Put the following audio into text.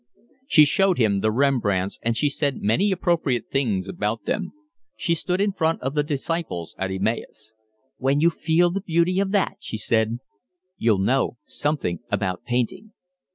She showed him the Rembrandts, and she said many appropriate things about them. She stood in front of the Disciples at Emmaus. "When you feel the beauty of that," she said, "you'll know something about painting."